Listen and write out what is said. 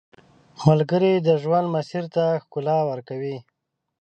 ملګری د ژوند مسیر ته ښکلا ورکوي